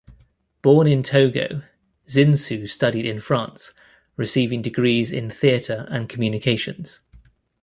Born in Togo, Zinsou studied in France, receiving degrees in theatre and communications.